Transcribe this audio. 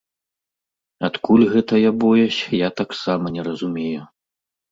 Адкуль гэтая боязь, я таксама не разумею.